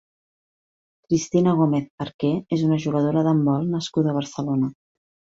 Cristina Gómez Arquer és una jugadora d'handbol nascuda a Barcelona.